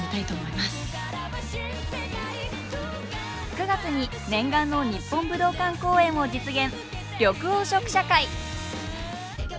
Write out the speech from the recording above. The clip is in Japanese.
９月に念願の日本武道館公演を実現！